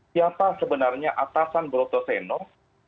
siapa sebenarnya atasan broto seno